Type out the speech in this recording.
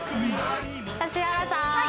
指原さん